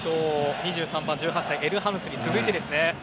２３番、エルハヌスに続いてですね。